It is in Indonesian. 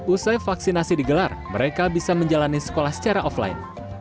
usai vaksinasi digelar mereka bisa menjalani sekolah secara offline